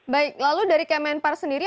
baik lalu dari kemenpar sendiri